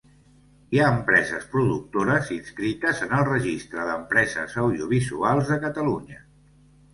Hi ha empreses productores inscrites en el Registre d'Empreses Audiovisuals de Catalunya.